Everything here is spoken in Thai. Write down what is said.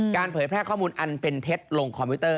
เผยแพร่ข้อมูลอันเป็นเท็จลงคอมพิวเตอร์